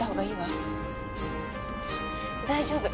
大丈夫。